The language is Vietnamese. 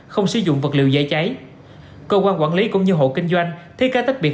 không sử dụng vật liệu dễ cháy cơ quan quản lý cũng như hộ kinh doanh thiết kế tách biệt